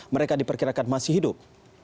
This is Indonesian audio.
mereka diperkirakan masih hidup